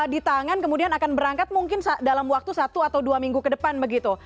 di tangan kemudian akan berangkat mungkin dalam waktu satu atau dua minggu ke depan begitu